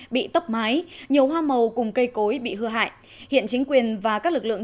bị tốc mái nhiều hoa màu cùng cây cối bị hư hại hiện chính quyền và các lực lượng